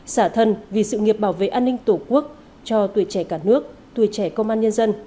xả thân vì sự nghiệp bảo vệ an ninh tổ quốc cho tuổi trẻ cả nước tuổi trẻ công an nhân dân